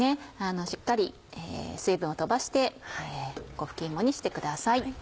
しっかり水分を飛ばして粉吹き芋にしてください。